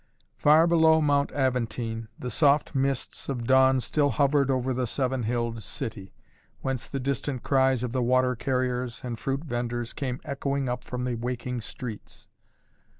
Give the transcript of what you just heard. Far below Mount Aventine the soft mists of dawn still hovered over the seven hilled city, whence the distant cries of the water carriers and fruit venders came echoing up from the waking streets.